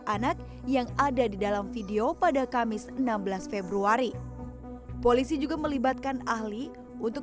anak yang ada di dalam video pada kamis enam belas februari polisi juga melibatkan ahli untuk